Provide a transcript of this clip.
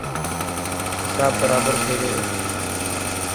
هساب برابر ٿي گيو.